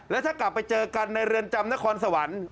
แล้วถ้ากลับไปเจอกันในเรือนจำนครสวรรค์